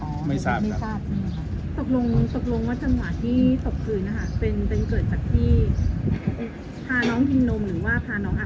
ตกลงวัฒนหวะที่ตกกลืนเป็นเกิดจากที่พาน้องทิ้งนมหรือว่าพาน้องอักน้ำ